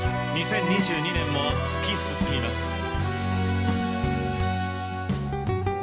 ２０２２年も突き進みます。